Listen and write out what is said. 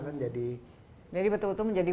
kan jadi jadi betul betul menjadi